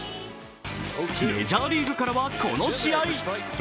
メジャーリーグからは、この試合。